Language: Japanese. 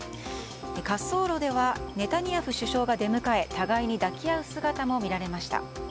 滑走路ではネタニヤフ首相が出迎え互いに抱き合う姿も見られました。